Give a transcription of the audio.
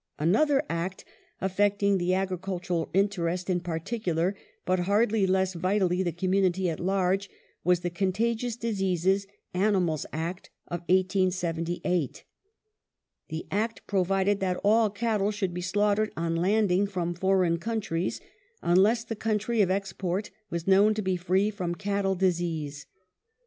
Another Act affecting the agricultural interest in particulai*, but hardly less vitally the community at large, was the Contagious Diseases {Animals) Act of 1878. The Act provided that all cattle should be slaughtered on landing from foreign countries, unless the country of export were known to be free from cattle disease.